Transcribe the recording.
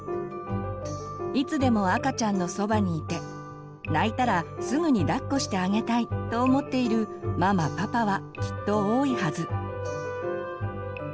いつでも赤ちゃんのそばにいて泣いたらすぐにだっこしてあげたいと思っているママパパはきっと多いはず。